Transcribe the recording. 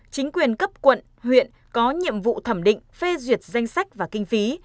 chính quyền cấp quận huyện có nhiệm vụ thẩm định phê duyệt danh sách và kinh phí